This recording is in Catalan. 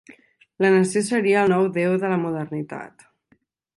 La nació seria el nou Déu de la modernitat.